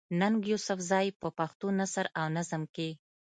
ننګ يوسفزۍ په پښتو نثر او نظم کښې